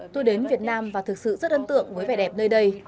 tôi đến việt nam và thực sự rất ấn tượng với vẻ đẹp nơi đây